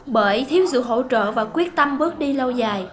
bởi thiếu sự hỗ trợ và quyết tâm bước đi lâu dài